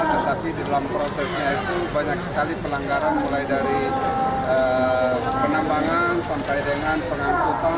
tetapi di dalam prosesnya itu banyak sekali pelanggaran mulai dari penambangan sampai dengan pengangkutan